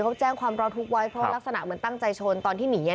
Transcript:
เขาแจ้งความรอทุกข์ไว้เพราะรักษณะเหมือนตั้งใจชนตอนที่หนี